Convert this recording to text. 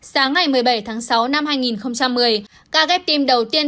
sáng ngày một mươi bảy tháng sáu năm hai nghìn một mươi ca ghép tim đầu tiên